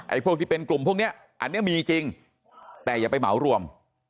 พวกที่เป็นกลุ่มพวกนี้อันนี้มีจริงแต่อย่าไปเหมารวม